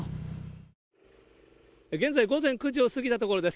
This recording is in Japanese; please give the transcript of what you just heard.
現在、午前９時を過ぎたところです。